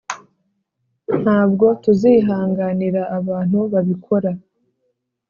Ntabwo tuzihanganira abantu babikora